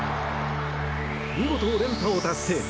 見事、連覇を達成。